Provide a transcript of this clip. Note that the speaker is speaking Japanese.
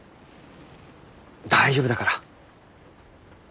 大丈夫だから。